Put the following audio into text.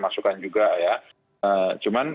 masukkan juga ya cuman